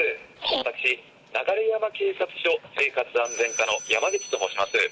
私、流山警察署生活安全課のヤマグチと申します。